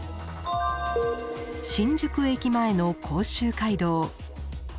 新宿駅前の甲州街道。